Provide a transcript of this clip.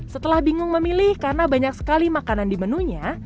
setelah bingung memilih karena banyak sekali makanan di menunya